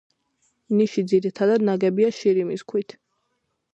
ნიში ძირითადად ნაგებია შირიმის ქვით.